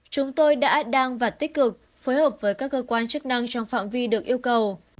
chúng tôi đã đang và tích cực phối hợp với các cơ quan chức năng trong phạm vi được yêu cầu